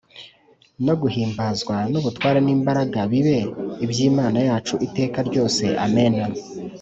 no guhimbazwa n’ubutware n’imbaraga bibe iby’Imana yacu iteka ryose, Amen.”